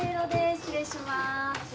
失礼します